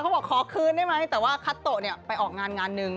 เขาบอกขอคืนได้ไหมแต่ว่าคัตโตะลิปตาไปออกงานหนึ่ง